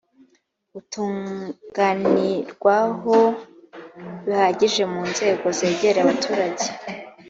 butaganirwaho bihagije mu nzego zegereye abaturage